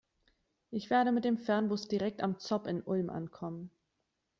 Ich werde mit dem Fernbus direkt am ZOB in Ulm ankommen.